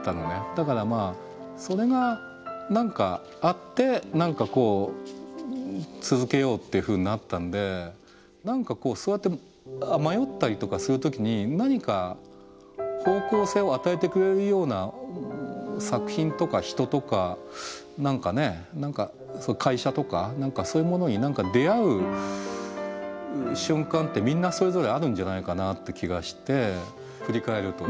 だからまあそれがあって続けようっていうふうになったんでそうやって迷ったりとかする時に何か方向性を与えてくれるような作品とか人とか何かね会社とかそういうものに出会う瞬間ってみんなそれぞれあるんじゃないかなって気がして振り返ると。